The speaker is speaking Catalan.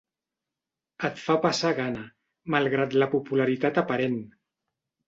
Et fa passar gana, malgrat la popularitat aparent.